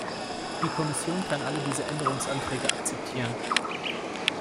Die Kommission kann alle diese Änderungsanträge akzeptieren.